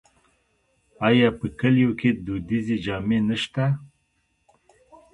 آیا په کلیو کې دودیزې جامې نشته؟